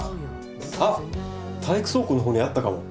あっ体育倉庫のほうにあったかも。